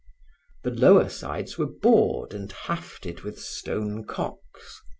The lower sides were bored and hafted with stone cocks.